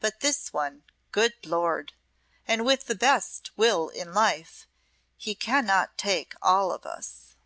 But this one good Lord! And with the best will in life, he cannot take all of us."